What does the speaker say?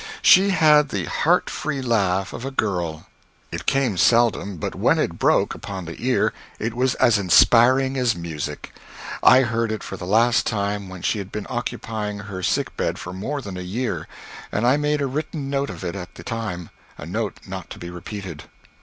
She had the heart free laugh of a girl. It came seldom, but when it broke upon the ear it was as inspiring as music. I heard it for the last time when she had been occupying her sickbed for more than a year, and I made a written note of it at the time a note not to be repeated.